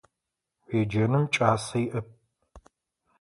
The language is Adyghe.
Уеджэным кӏасэ иӏэп.